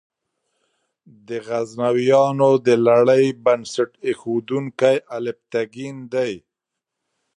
د غزنویانو د لړۍ بنسټ ایښودونکی الپتکین دی.